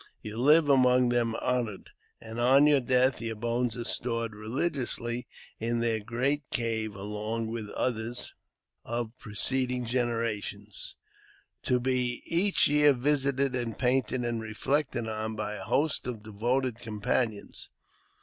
You live among them honoured ; and on your death, your bones are stored religiously in their great cave along with others of pre ceding generations, to be each year visited, and painted, and reflected on by a host of devoted companions.